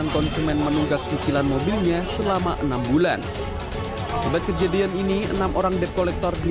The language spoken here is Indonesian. konsumen menunggak cicilan mobilnya selama enam bulan kejadian ini enam orang dep kolektor di